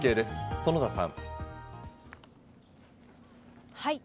園田さん。